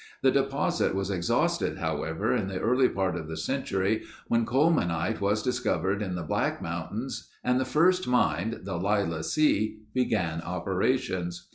The deposit was exhausted however, in the early part of the century when Colemanite was discovered in the Black Mountains and the first mine—the Lila C. began operations.